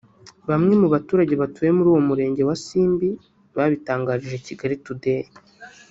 Bamwe mu baturage batuye muri uwo murenge wa Simbi babitangarije kigalitoday